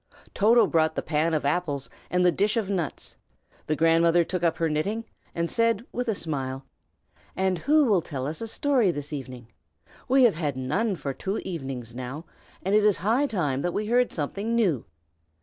Toto brought the pan of apples and the dish of nuts; the grandmother took up her knitting, and said, with a smile: "And who will tell us a story, this evening? We have had none for two evenings now, and it is high time that we heard something new.